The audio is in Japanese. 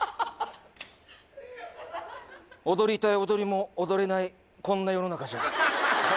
踊りたい踊りも踊れないこんな世の中じゃ。